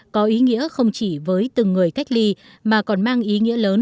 có ý nghĩa không chỉ với từng người cách ly mà còn mang ý nghĩa lớn